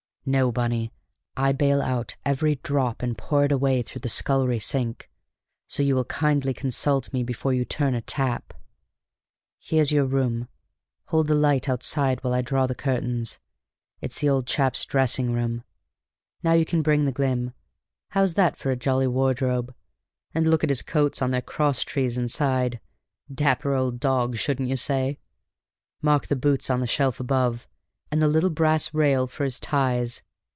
No, Bunny, I bale out every drop and pour it away through the scullery sink, so you will kindly consult me before you turn a tap. Here's your room; hold the light outside while I draw the curtains; it's the old chap's dressing room. Now you can bring the glim. How's that for a jolly wardrobe? And look at his coats on their cross trees inside: dapper old dog, shouldn't you say? Mark the boots on the shelf above, and the little brass rail for his ties!